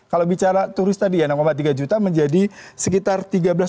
kalau bicara turis tadi ya enam tiga juta menjadi sekitar tiga belas